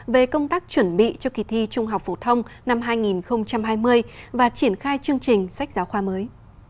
về công tác chuẩn bị cho kỳ thi trung học phổ thông năm hai nghìn hai mươi và triển khai chương trình sách giáo khoa mới